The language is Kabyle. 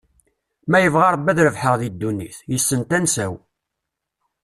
Ma yebɣa Rebbi ad rebḥeɣ deg ddunit, yessen tansa-w.